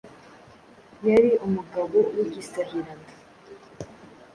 yari umugabo w' igisahiranda